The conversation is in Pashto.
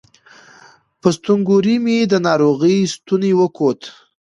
په ستونګوري مې د ناروغ ستونی وکوت